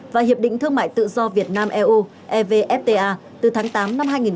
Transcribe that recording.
và hiệp định thương mại tự do việt nam eu evfta từ tháng tám năm hai nghìn một mươi